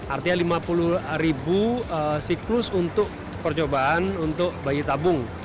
artinya lima puluh ribu siklus untuk percobaan untuk bayi tabung